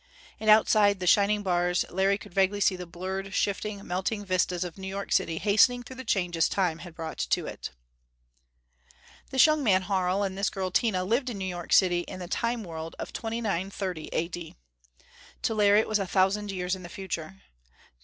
And outside the shining bars Larry could vaguely see the blurred, shifting, melting vistas of New York City hastening through the changes Time had brought to it. This young man, Harl, and this girl, Tina, lived in New York City in the Time world of 2930 A. D. To Larry it was a thousand years in the future.